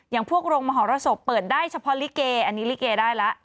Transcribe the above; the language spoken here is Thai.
อย่างพวกโรงมหรสบเปิดได้เฉพาะลิเกอันนี้ลิเกได้แล้ว